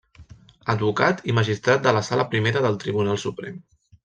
Advocat i magistrat de la sala primera del Tribunal Suprem.